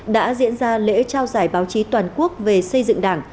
đã diễn ra lễ trao giải báo chí toàn quốc về xây dựng đảng